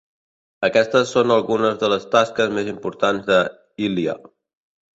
Aquestes són algunes de les tasques més importants de Ilya.